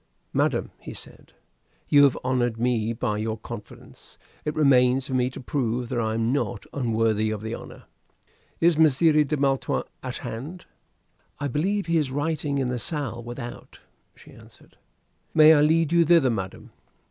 "Madam," he said, "you have honored me by your confidence. It remains for me to prove that I am not unworthy of the honor. Is Messire de Maletroit at hand?" "I believe he is writing in the salle without," she answered. "May I lead you thither, madam?"